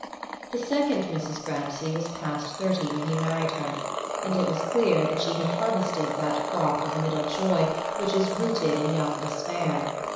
The second Mrs. Grancy was past thirty when he married her, and it was clear that she had harvested that crop of middle joy which is rooted in young despair.